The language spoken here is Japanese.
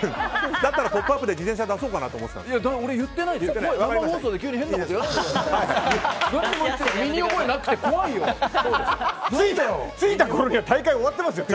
だったら「ポップＵＰ！」で自転車出そうかなとだから俺、言ってないですよ。